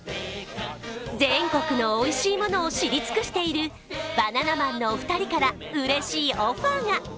全国のおいしいものを知り尽くしているバナナマンのお二人からうれしいオファーが。